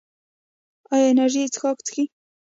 ایا انرژي څښاک څښئ؟